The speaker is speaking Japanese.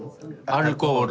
アルコール。